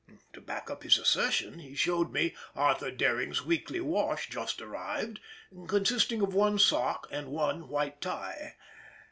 To back up his assertion, he showed me Arthur Doering's weekly wash just arrived, consisting of one sock and one white tie.